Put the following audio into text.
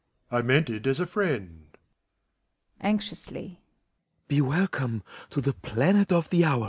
I mean it as a friend. WAGNER (anxiously). Be welcome to the planet of the hour!